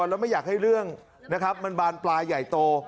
แล้วไม่อยากให้เรื่องนะครับมันบานปลายใหญ่โต